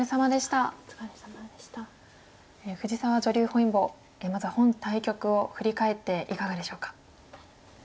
本因坊まずは本対局を振り返っていかがでしょうか？